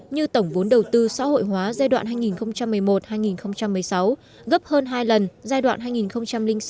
như tổng vốn đầu tư xã hội hóa giai đoạn hai nghìn một mươi một hai nghìn một mươi sáu gấp hơn hai lần giai đoạn hai nghìn một mươi sáu hai nghìn một mươi tám